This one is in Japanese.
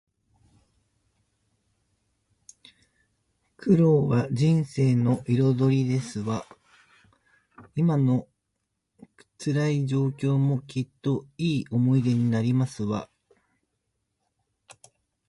苦労は人生の彩りですわ。今の辛い状況も、きっといい思い出になりますわ